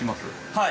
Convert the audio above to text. はい。